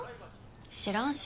知らんし。